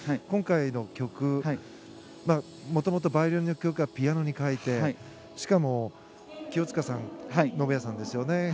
今回の曲はもともとバイオリンの曲をピアノに変えて、しかも清塚信也さんですよね。